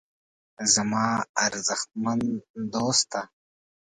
زما ارزښتمن دوسته.